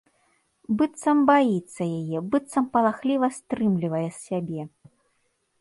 Быццам баіцца яе, быццам палахліва стрымлівае сябе.